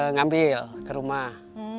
ngambil ke rumah